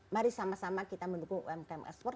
mari sama sama kita mendukung umkm ekspor